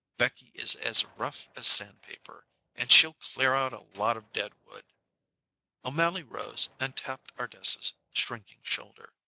Becky is as rough as sandpaper, and she'll clear out a lot of dead wood." O'Mally rose, and tapped Ardessa's shrinking shoulder.